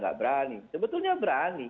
enggak berani sebetulnya berani